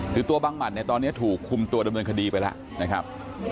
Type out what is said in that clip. คือตัวบังหมัดเนี่ยตอนนี้ถูกคุมตัวดำเนินคดีไปแล้วนะครับ